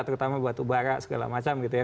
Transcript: terutama batu bara segala macam gitu ya